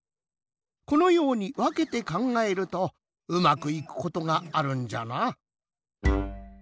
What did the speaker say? このようにわけてかんがえるとうまくいくことがあるんじゃな。